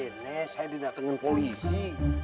eh nek saya didatengin polisi